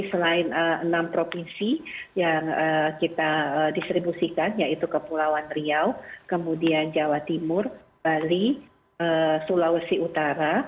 selain enam provinsi yang kita distribusikan yaitu kepulauan riau kemudian jawa timur bali sulawesi utara